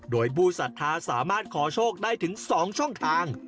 โดยบุษัทธาสามารถขอโชว์ได้ถึงสองช่องทาง